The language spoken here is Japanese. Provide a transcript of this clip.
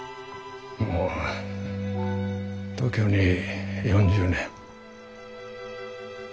もう東京に４０年。